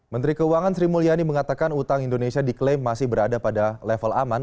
menteri keuangan sri mulyani mengatakan utang indonesia diklaim masih berada pada level aman